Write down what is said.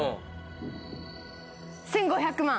１５００万。